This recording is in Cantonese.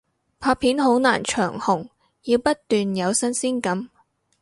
拍片好難長紅，要不斷有新鮮感